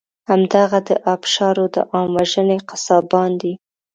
همدغه د آبشارو د عام وژنې قصابان دي.